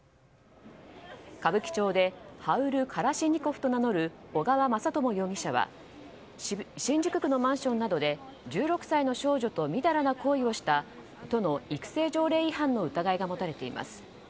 歌舞伎町でハウル・カラシニコフと名乗る小川雅朝容疑者は新宿区のマンションなどで１６歳の少女とみだらな行為をした都の育成条例違反の疑いが持たれています。